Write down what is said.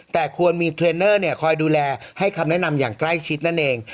แต่ควรมีเทรนเนอร์คอยดูแลให้คำแนะนำอย่างใกล้ชิดนั่นเอง